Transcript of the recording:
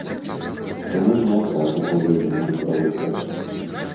Чаму не адразу паведамілі пра выхад?